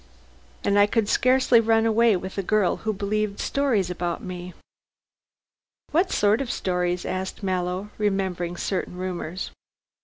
And I could scarcely run away with a girl who believed stories about me." "What sort of stories?" asked Mallow, remembering certain rumors.